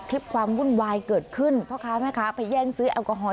ความวุ่นวายเกิดขึ้นพ่อค้าแม่ค้าไปแย่งซื้อแอลกอฮอล